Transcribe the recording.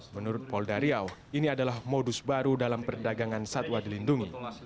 menurut polda riau ini adalah modus baru dalam perdagangan satwa dilindungi